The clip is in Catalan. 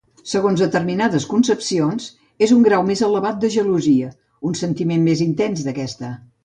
Segons determinades concepcions, és un grau més elevat de gelosia, un sentiment més intens d'aquesta.